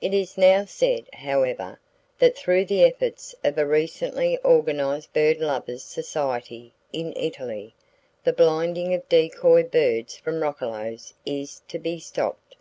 It is now said, however, that through the efforts of a recently organized [Page 98] bird lovers' society in Italy, the blinding of decoy birds for roccolos is to be stopped.